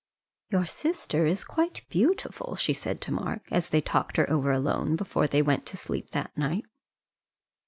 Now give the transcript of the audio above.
"Your sister is quite beautiful," she said to Mark, as they talked her over alone before they went to sleep that night.